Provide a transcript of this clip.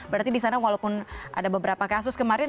berarti di sana walaupun ada beberapa kasus kemarin